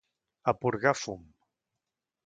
A porgar fum!